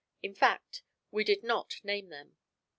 In fact, we did not name them.